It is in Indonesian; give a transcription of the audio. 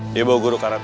dia bawa guru karate